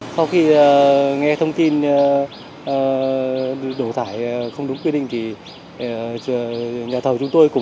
sau khi nghe thông tin bị đổ thải không đúng quy định thì nhà thầu chúng tôi cũng